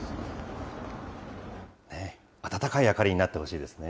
温かい明かりになってほしいですね。